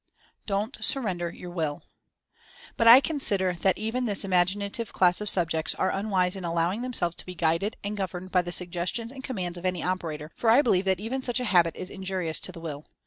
"don't surrender your will/' But I consider that even this imaginative class of subjects are unwise in allowing themselves to be guided and governed by the suggestions and com mands of any operator, for I believe that even such a habit is injurious to the Will.